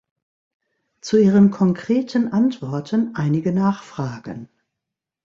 Zu Ihren konkreten Antworten einige Nachfragen.